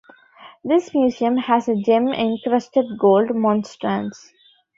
This museum has a gem-encrusted gold monstrance.